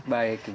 baik ibu desi